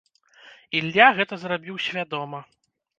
Ілля гэта зрабіў свядома.